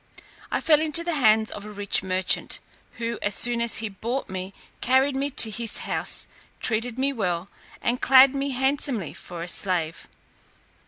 I fell into the hands of a rich merchant, who, as soon as he bought me, carried me to his house, treated me well, and clad me handsomely for a slave.